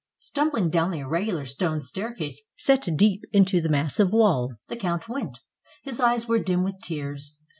Stumbling down the irregular stone staircase set deep into the massive walls, the count went. His eyes were dim with tears.